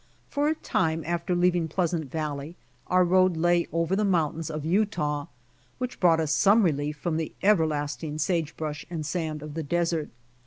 For a time after leaving Pleasant valley, our road lay over the mountains of Utah, which brought us some relief from the everlast ing sage brush and sand of the desert.